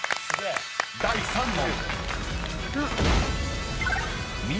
［第３問］